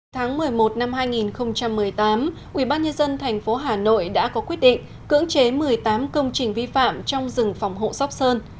tháng một mươi một năm hai nghìn một mươi tám ủy ban nhân dân thành phố hà nội đã có quyết định cưỡng chế một mươi tám công trình vi phạm trong rừng phòng hộ sóc sơn